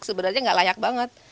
sebenarnya nggak layak banget